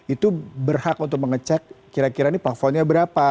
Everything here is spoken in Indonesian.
itu berhak untuk mengecek kira kira ini plafonnya berapa